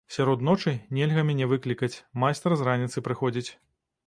Сярод ночы нельга мяне выклікаць, майстар з раніцы прыходзіць.